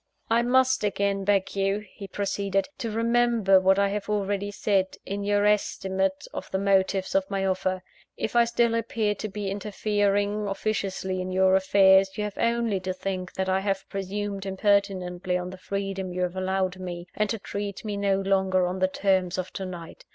"I must again beg you" he proceeded "to remember what I have already said, in your estimate of the motives of my offer. If I still appear to be interfering officiously in your affairs, you have only to think that I have presumed impertinently on the freedom you have allowed me, and to treat me no longer on the terms of to night.